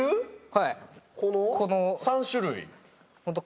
はい。